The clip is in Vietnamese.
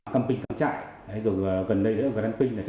căm pinh cắm trải dù gần đây cũng có gắn pinh